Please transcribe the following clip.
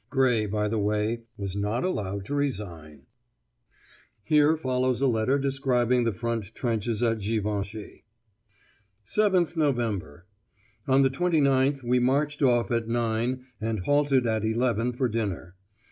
(Gray, by the way, was not allowed to resign.)" Here follows a letter describing the front trenches at Givenchy: "7th November. On the 29th we marched off at 9.0 and halted at 11.0 for dinner.